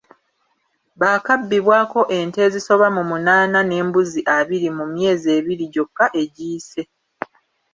Bakaabbibwako ente ezisoba mu munaana n’embuzi abiri mu myezi ebiri gyokka egiyise.